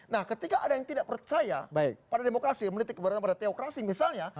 nah ketika ada yang tidak percaya pada demokrasi menitik kepada teokrasi misalnya